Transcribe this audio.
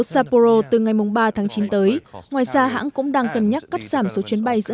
saporo từ ngày ba tháng chín tới ngoài ra hãng cũng đang cân nhắc cắt giảm số chuyến bay giữa